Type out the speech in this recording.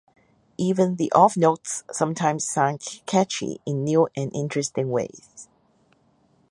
Even the off notes sometimes sound catchy in new and interesting ways.